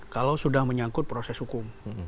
kalau sudah menyangkut proses hukum